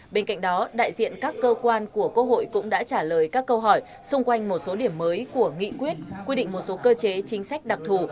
bên cạnh đó đại diện các cơ quan của quốc hội cũng đã trả lời các câu hỏi xung quanh một số điểm mới của nghị quyết quy định một số cơ chế chính sách đặc thù